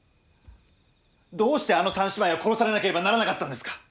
どうしてあの３姉妹は殺されなければならなかったんですか？